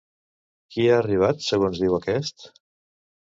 Qui ha arribat, segons diu aquest?